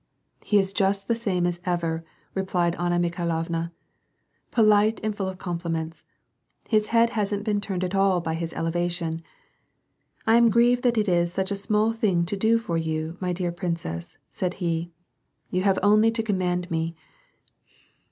" He is just the same as ever," replied Anna Mikhailovna, " Polite and full of compliments. His head hasn't been turned at all by all his elevation. * I am grieved that it is such a small thing to do for you, my dear princess,' said he. * You have only to command me.'